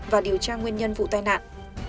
và điều tra nguyên nhân vụ tai nạn